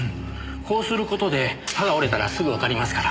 こうする事で刃が折れたらすぐわかりますから。